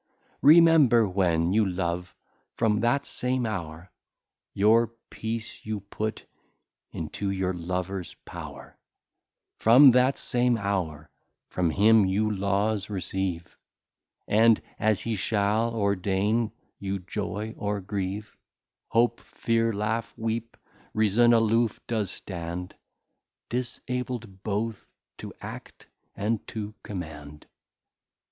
Remember when you Love, from that same hour Your Peace you put into your Lovers Power: From that same hour from him you Laws receive, And as he shall ordain, you Joy, or Grieve, Hope, Fear, Laugh, Weep; Reason aloof does stand, Disabl'd both to Act, and to Command.